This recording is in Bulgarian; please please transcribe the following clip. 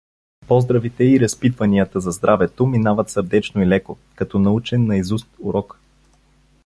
Поздравите и разпитванията за здравето минават сърдечно и леко, като научен наизуст урок.